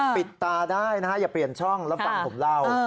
ปิดตาได้นะฮะอย่าเปลี่ยนช่องแล้วฟังผมเล่า